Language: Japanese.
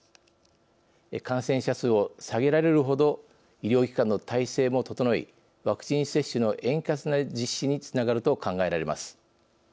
感染者数を下げられるほど医療機関の体制も整いワクチン接種の円滑な実施につながると考えられます。